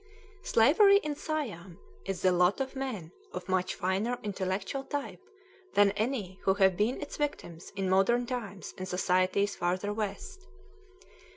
Slavery in Siam is the lot of men of a much finer intellectual type than any who have been its victims in modern times in societies farther west.